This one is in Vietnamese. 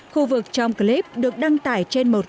khu vực trong clip được đăng tải trên internet